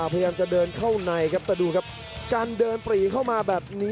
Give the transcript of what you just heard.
พยายามจะเดินเข้าในครับแต่ดูครับการเดินปรีเข้ามาแบบนี้